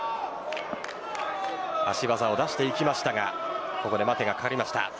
足技を出していきましたがここで待てがかかりました。